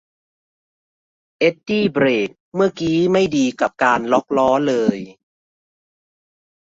เอ็ดดี้เบรกเมื่อกี๊ไม่ดีกับการล็อคล้อเลย